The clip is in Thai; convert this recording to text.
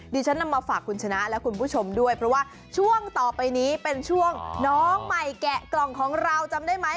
ฉันนำมาฝากคุณชนะและคุณผู้ชมด้วยเพราะว่าช่วงต่อไปนี้เป็นช่วงน้องใหม่แกะกล่องของเราจำได้ไหม